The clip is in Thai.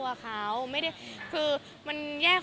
ก็บอกว่าเซอร์ไพรส์ไปค่ะ